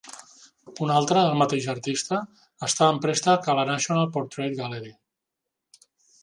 Un altre, del mateix artista, està en préstec a la National Portrait Gallery.